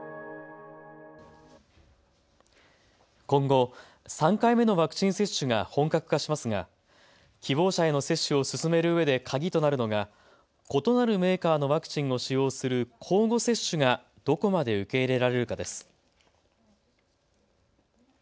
今後、３回目のワクチン接種が本格化しますが希望者への接種を進めるうえで鍵となるのが異なるメーカーのワクチンを使用する交互接種がどこまで受け入れられるかです。